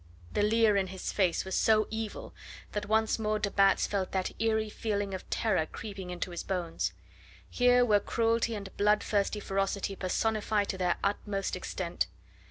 The leer in his face was so evil that once more de Batz felt that eerie feeling of terror creeping into his bones. Here were cruelty and bloodthirsty ferocity personified to their utmost extent.